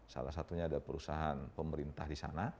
salah satunya ada perusahaan pemerintah di sana